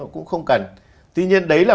cũng không cần tuy nhiên đấy là